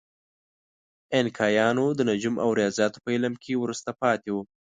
اینکایانو د نجوم او ریاضیاتو په علم کې وروسته پاتې وو.